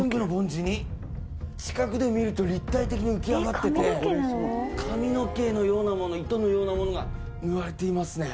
近くで見ると立体的に浮き上がってて髪の毛のようなもの糸のようなものが縫われていますね。